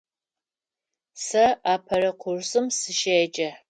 Сэ апэрэ курсым сыщеджэ.